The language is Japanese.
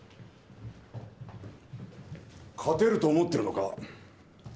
勝てると思ってるのか？